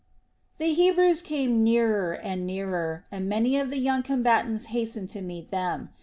The Hebrews came nearer and nearer, and many of the young combatants hastened to meet them.